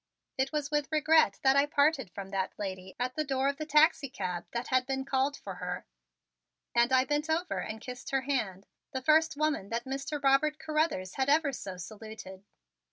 It was with regret that I parted from that lady at the door of the taxicab that had been called for her, and I bent over and kissed her hand, the first woman that Mr. Robert Carruthers had ever so saluted.